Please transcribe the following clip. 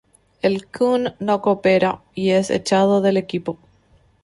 El Coon no coopera y es echado del equipo.